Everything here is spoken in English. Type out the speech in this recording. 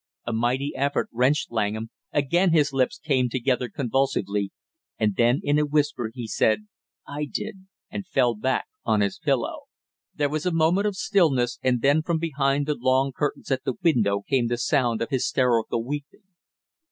A mighty effort wrenched Langham, again his lips came together convulsively, and then in a whisper he said: "I did," and fell back on his pillow. There was a moment of stillness, and then from behind the long curtains at the window came the sound of hysterical weeping.